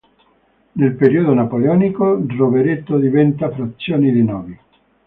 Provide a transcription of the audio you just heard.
Nel periodo napoleonico Rovereto diventa frazione di Novi.